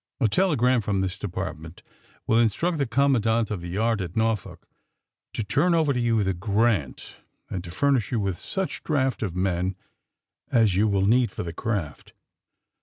^*A tele gram from this Department will instruct tlie Commandant of tlie Yard at Norfolk to turn over to you tlie * Grant, ^ and to furnish you with such draft of men as 3^ou will need for the craft.